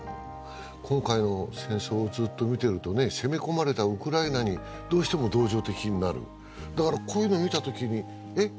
今回の戦争をずっと見てるとね攻め込まれたウクライナにどうしても同情的になるだからこういうのを見た時にえっ